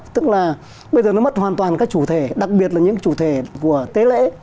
tức là bây giờ nó mất hoàn toàn các chủ thể đặc biệt là những chủ thể của tế lễ